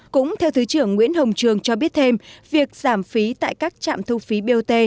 cũng theo thứ trưởng nguyễn hồng trường cho biết thêm việc giảm phí tại các trạm thu phí bot